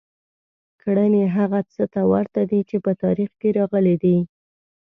کړنې هغه څه ته ورته دي چې په تاریخ کې راغلي دي.